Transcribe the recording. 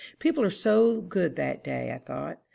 People are so good that day, I thought.